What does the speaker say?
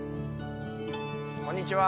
こんにちは。